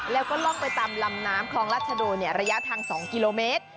แล้วก็ล่องไปตามลำน้ำคลองรัชโดระยะทาง๒กิโลเมตร